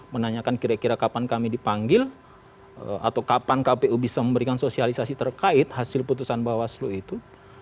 menanyakan kira kira kapan kami dipanggil atau kapan kpu bisa memberikan sosialisasi terkait hasil putusan bawaslu itu